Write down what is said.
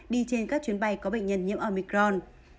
đi trên các chuyến bay có bệnh nhân nhiễm omicron